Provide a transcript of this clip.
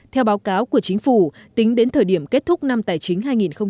theo báo cáo của chính phủ tính đến thời điểm kết thúc năm tài chính hai nghìn hai mươi